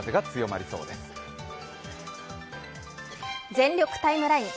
「全力タイムライン」